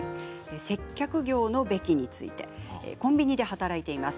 接客業の是非についてコンビニで働いています。